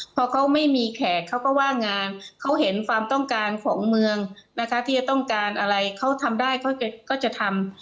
พอเขาไม่มีแขกเขาก็ว่างงานเขาเห็นความต้องการของเมืองนะคะที่จะต้องการอะไรเขาทำได้เขาก็จะทำ